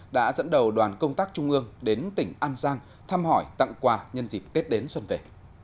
đã dẫn đầu đoàn công tác trung ương đến tỉnh an giang thăm hỏi tặng quà nhân dịp tết đến xuân về